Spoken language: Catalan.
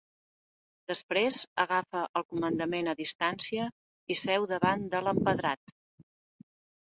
Després agafa el comandament a distància i seu davant de l'empedrat.